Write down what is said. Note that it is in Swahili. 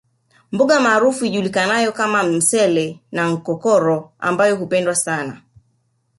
Mboga maarufu ijulikanayo kama msele na nkokoro ambayo hupendwa sana